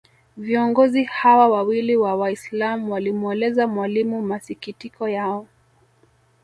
Viongozi hawa wawili wa Waislam walimueleza Mwalimu masikitiko yao